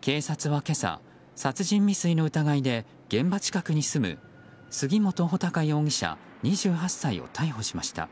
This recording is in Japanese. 警察は今朝、殺人未遂の疑いで現場近くに住む杉本武尊容疑者、２８歳を逮捕しました。